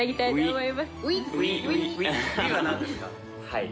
「はい」